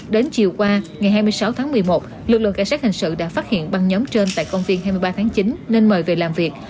đến chiều qua ngày hai mươi sáu tháng một mươi một lực lượng cảnh sát hình sự đã phát hiện băng nhóm trên tại công viên hai mươi ba tháng chín nên mời về làm việc